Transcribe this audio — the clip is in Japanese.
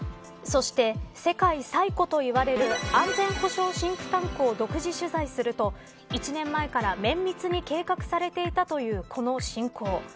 そして世界最古といわれる安全保障シンクタンクを独自取材すると１年前から綿密に計画されていたというこの侵攻。